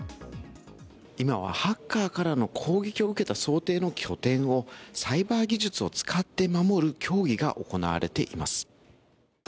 今はハッカーからの攻撃を受けた想定の拠点を、サイバー技術を使って守る競技が行われています。